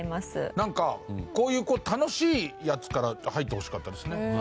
なんかこういう楽しいやつから入ってほしかったですね。